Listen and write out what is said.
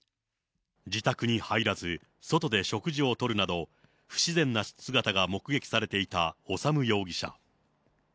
自宅に入らず、外で食事をとるなど、不自然な姿が目撃されていた修容疑者。